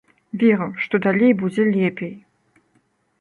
Веру, што далей будзе лепей!